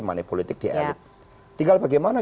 manipolitik di elit tinggal bagaimana